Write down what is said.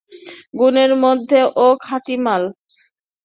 গুণের মধ্যে, ও খাঁটি মাল।